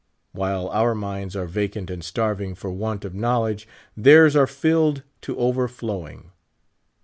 While our minds are vacant and starving for want of knowledge, theirs are filled to overflowing.